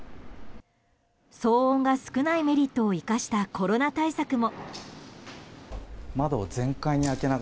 騒音が少ないメリットを生かしたコロナ対策も。